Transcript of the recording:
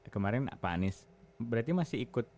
kemarin pak anies berarti masih ikut